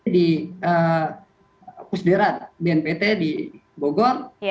di pusderat bnpt di bogor